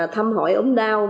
thăm hỏi ốm đau